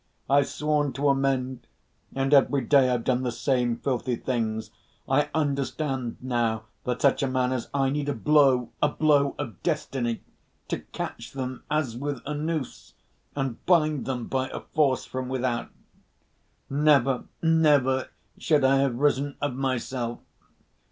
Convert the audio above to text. I've sworn to amend, and every day I've done the same filthy things. I understand now that such men as I need a blow, a blow of destiny to catch them as with a noose, and bind them by a force from without. Never, never should I have risen of myself!